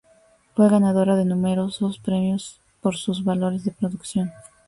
Fue ganadora de numerosos premios, por sus valores de producción.